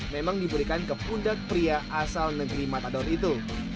memang diberikan ke pundak pria asal negeri matador itu